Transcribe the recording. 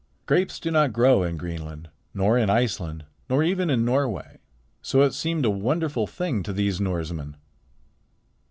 Grapes do not grow in Greenland nor in Iceland nor even in Norway. So it seemed a wonderful thing to these Norsemen.